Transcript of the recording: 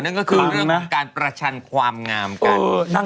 นั่นก็คือเรื่องของการประชันความงามกัน